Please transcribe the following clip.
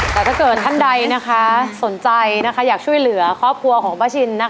แต่ถ้าเกิดท่านใดสนใจอยากช่วยเหลือครอบครัวของป้าชิน